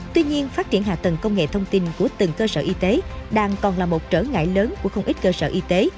tuy nhiên phát triển hạ tầng công nghệ thông tin của từng cơ sở y tế đang còn là một trở ngại lớn của không ít cơ sở y tế